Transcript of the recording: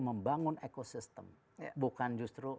membangun ecosystem bukan justru